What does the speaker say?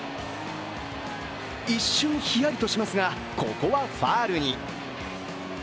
一瞬ヒヤリとしますがここはファウルに。